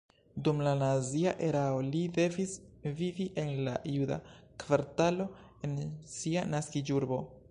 Dum la nazia erao li devis vivi en la juda kvartalo en sia naskiĝurbo.